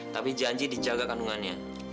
tapi janji dijaga kandungannya